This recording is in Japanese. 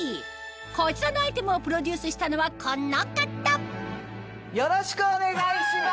こちらのアイテムをプロデュースしたのはこの方よろしくお願いします！